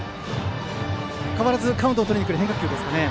変わらずカウントをとりにくる変化球でしょうかね。